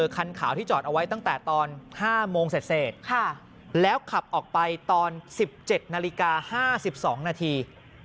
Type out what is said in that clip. คันขาวที่จอดเอาไว้ตั้งแต่ตอน๕โมงเสร็จแล้วขับออกไปตอน๑๗นาฬิกา๕๒นาที